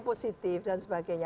positif dan sebagainya